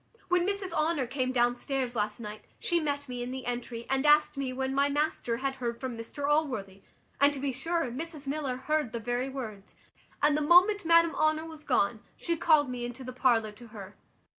When Mrs Honour came downstairs last night she met me in the entry, and asked me when my master had heard from Mr Allworthy; and to be sure Mrs Miller heard the very words; and the moment Madam Honour was gone, she called me into the parlour to her.